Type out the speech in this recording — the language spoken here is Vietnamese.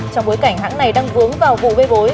trong bối cảnh hãng này đang vướng vào vụ bê bối